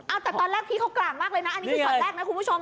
เอาแต่ตอนแรกพี่เขากลางมากเลยนะอันนี้คือช็อตแรกนะคุณผู้ชม